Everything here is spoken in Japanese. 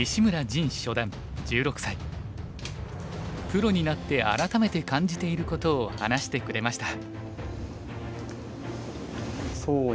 プロになって改めて感じていることを話してくれました。